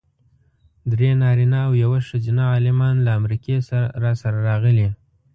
درې نارینه او یوه ښځینه عالمان له امریکې راسره راغلي.